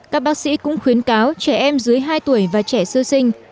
các bác sĩ cũng khuyến cáo trẻ em dưới hai tuổi và trẻ sơ sinh